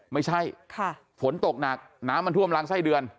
ไม่ใช่ฝนตกหนักน้ำมันท่วมรังไส้เดือน